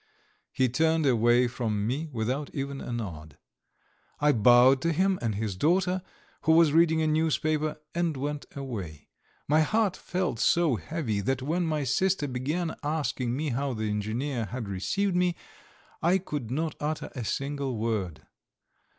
He turned away from me without even a nod. I bowed to him and his daughter who was reading a newspaper, and went away. My heart felt so heavy, that when my sister began asking me how the engineer had received me, I could not utter a single word.